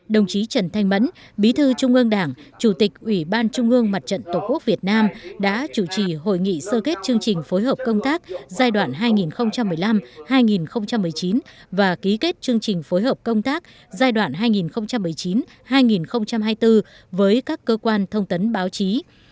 đồng chí trần thanh mẫn bí thư trung ương đảng chủ tịch ủy ban trung ương mặt trận tổ quốc việt nam đã chủ trì hội nghị sơ kết chương trình phối hợp công tác giai đoạn hai nghìn một mươi năm hai nghìn một mươi chín và ký kết chương trình phối hợp công tác giai đoạn hai nghìn một mươi chín hai nghìn hai mươi bốn với các cơ quan thông tấn báo chí